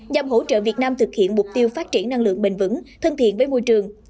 nhằm hỗ trợ việt nam thực hiện mục tiêu phát triển năng lượng bình vững thân thiện với môi trường